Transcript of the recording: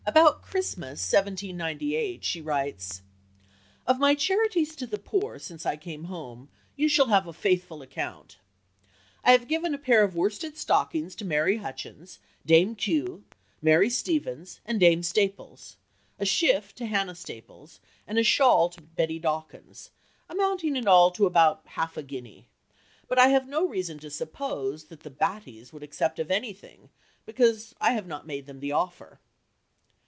About Christmas (1798) she writes "Of my charities to the poor since I came home you shall have a faithful account. I have given a pair of worsted stockings to Mary Hutchins, Dame Kew, Mary Steevens, and Dame Staples; a shift to Hannah Staples, and a shawl to Betty Dawkins, amounting in all to about half a guinea. But I have no reason to suppose that the Battys would accept of anything, because I have not made them the offer."